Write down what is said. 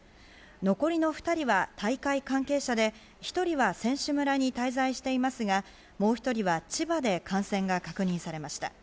残りの２人は大会関係者で、１人は選手村に滞在していますが、もう１人は千葉で感染が確認されました。